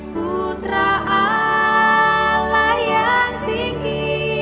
putra allah yang tinggi